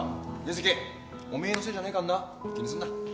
瑞稀お前のせいじゃねえかんな気にすんな。